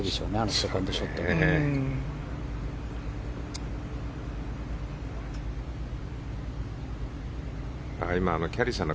セカンドショットの。